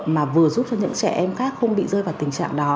mà vừa giúp cho những trẻ em khác không bị rơi vào tình trạng đó